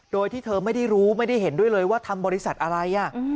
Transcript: โดยที่เธอไม่ได้รู้ไม่ได้เห็นด้วยเลยว่าทำบริษัทอะไร